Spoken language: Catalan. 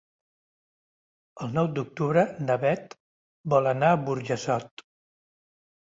El nou d'octubre na Beth vol anar a Burjassot.